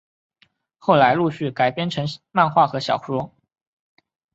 后来陆续改编成漫画和小说。